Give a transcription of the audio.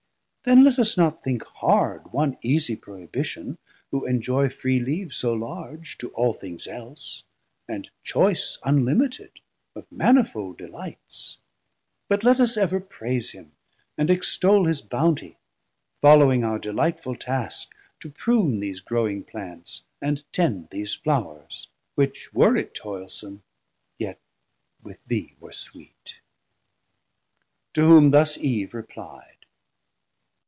Then let us not think hard One easie prohibition, who enjoy Free leave so large to all things else, and choice Unlimited of manifold delights: But let us ever praise him, and extoll His bountie, following our delightful task To prune these growing Plants, & tend these Flours, Which were it toilsom, yet with thee were sweet. To whom thus Eve repli'd.